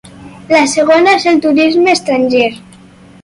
La segona és el turisme estranger.